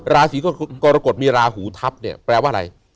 ราศีกรกฎมีราหูทัพเนี่ยแปลว่าอะไร